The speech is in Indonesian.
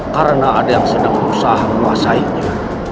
karena ada yang sedang berusaha menguasainya